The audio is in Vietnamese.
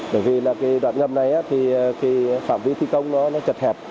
bởi vì là cái đoạn ngầm này thì phạm vi thi công nó chật hẹn